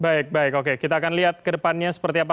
baik baik oke kita akan lihat ke depannya seperti apa